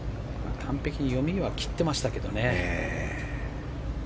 完璧に読み切ってましたけどね。